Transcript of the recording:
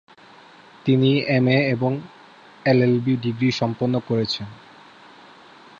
তিনি এমএ এবং LLB degree সম্পন্ন করেছেন।